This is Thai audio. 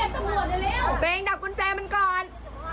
ตัวเองดับกุญเซมันก่อน